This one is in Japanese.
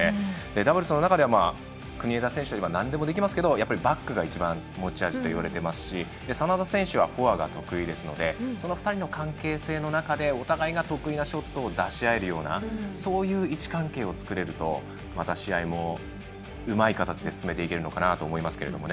ダブルスの中では国枝選手といえばなんでもできますけどやっぱりバックが一番持ち味といわれていますし眞田選手はフォアが得意なのでお互いが得意なショットを出し合えるようなそういう位置関係を作れるとまた試合も、うまい形で進めていけるかなと思いますが。